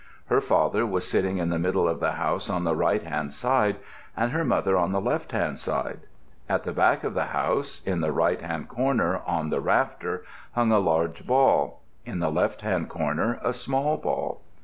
Her father was sitting in the middle of the house on the right hand side and her mother on the left hand side. At the back of the house, in the right hand corner on the rafter, hung a large ball; in the left hand corner a small ball.